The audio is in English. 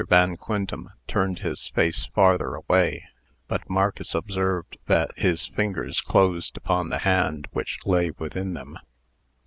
Van Quintem turned his face farther away, but Marcus observed that his fingers closed upon the hand which lay within them.